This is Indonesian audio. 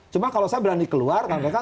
cuma kalau saya berani keluar kan mereka